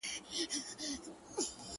پوهېږمه چي تاک هم د بل چا پر اوږو بار دی,